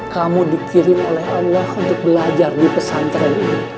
kamu dikirim oleh allah untuk belajar di pesantren ini